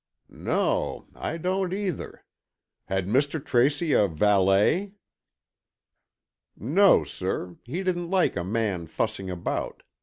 "No, I don't either. Had Mr. Tracy a valet?" "No, sir, he didn't like a man fussing about.